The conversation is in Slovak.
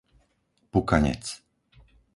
Pukanec